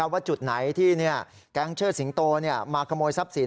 ว่าจุดไหนที่แก๊งเชิดสิงโตมาขโมยทรัพย์สิน